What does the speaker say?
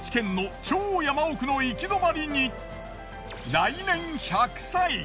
来年１００歳！